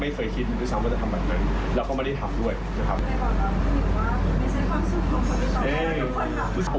ไม่เคยคิดถึงด้วยซ้ำว่าจะทำแบบนั้นแล้วก็ไม่ได้ทำด้วยนะครับ